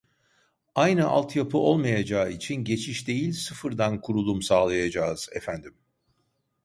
Aynı alt yapı olmayacağı için geçiş değil sıfırdan kurulum sağlayacağız efendim